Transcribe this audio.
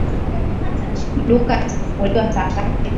Maduka yatafunguliwa saa ngapi?